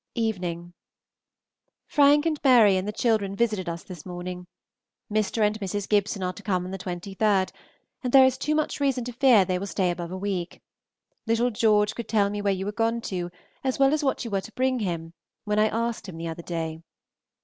Evening. Frank and Mary and the children visited us this morning. Mr. and Mrs. Gibson are to come on the 23rd, and there is too much reason to fear they will stay above a week. Little George could tell me where you were gone to, as well as what you were to bring him, when I asked him the other day.